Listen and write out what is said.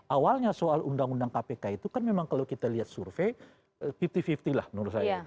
awalnya soal undang undang kpk itu kan memang kalau kita lihat survei lima puluh lima puluh lah menurut saya